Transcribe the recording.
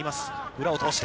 裏を通して。